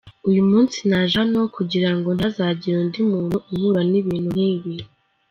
Uyu munsi naje hano kugira ngo ntihazagire undi muntu uhura n’ibintu nk’ibi.